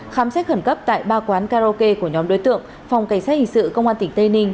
khám xét khẩn cấp tại ba quán karaoke của nhóm đối tượng phòng cảnh sát hình sự công an tỉnh tây ninh